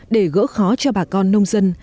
để gỡ khó cho bà con nông dân